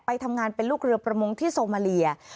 ทำงานเป็นลูกเรือประมงที่โซมาเลีย